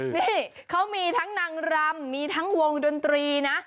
นี่เขามีทั้งนางรำมีทั้งวงดนตรีนะ